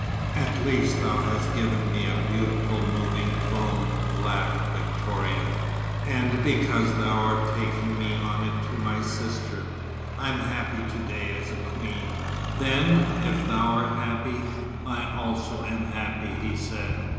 "At least thou hast given me a beautiful moving throne," laughed Victoria; "and because thou art taking me on it to my sister, I'm happy to day as a queen." "Then, if thou art happy, I also am happy," he said.